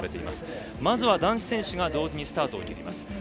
まずは男子選手が同時にスタートを切ります。